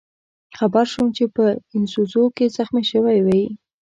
خبر شوم چې په ایسونزو کې زخمي شوی وئ.